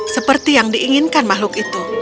seperti yang diinginkan makhluk itu